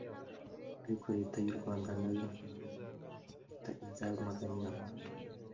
ariko Leta y’ u Rwanda na yo ihita ibyamaganira kure